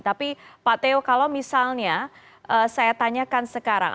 tapi pak teo kalau misalnya saya tanyakan sekarang